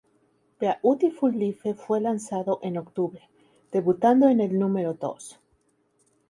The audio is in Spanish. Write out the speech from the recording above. Beautiful Life fue lanzado en octubre, debutando en el número dos.